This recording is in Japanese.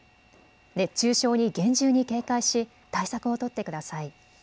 熱中症に厳重に警戒し対策を取ってください。